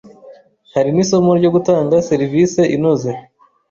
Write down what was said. Hari n’isomo ryo gutanga serivisi inoze